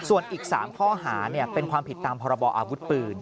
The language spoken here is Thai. ส่วนอีก๓ข้อหาเป็นความผิดตามพรบออาวุธปืน